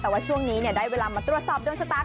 แต่ว่าช่วงนี้ได้เวลามาตรวจสอบดวงชะตา